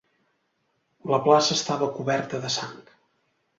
La plaça estava coberta de sang.